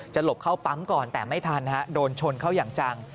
หลบเข้าปั๊มก่อนแต่ไม่ทันโดนชนเข้าอย่างจัง